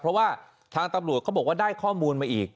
เพราะว่าทางตำรวจเขาบอกว่าได้ข้อมูลมาอีก